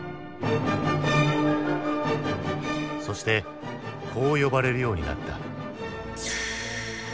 そしてこう呼ばれるようになった。